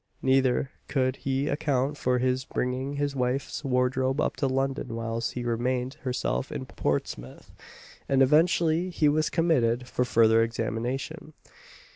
Neither could he account for his bringing his wife's wardrobe up to London whilst she remained herself in Portsmouth; and eventually he was committed for further examination.